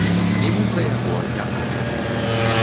І мы пра яго не кажам.